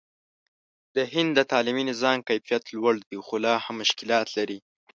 د هند د تعلیمي نظام کیفیت لوړ دی، خو لا هم مشکلات لري.